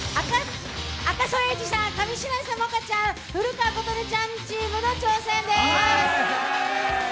赤楚衛二さん、上白石萌歌ちゃん、古川琴音ちゃんの挑戦です。